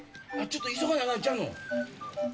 急がなアカンちゃうの？